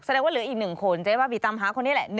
แสดงว่าเหลืออีก๑คนเจ๊บ้าบินตามหาคนนี้แหละ